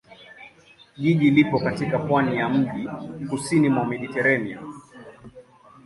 Jiji lipo katika pwani ya mjini kusini mwa Mediteranea.